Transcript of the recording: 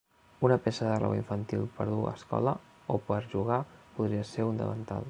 Un peça de roba infantil per dur a escola o per jugar podria ser un davantal.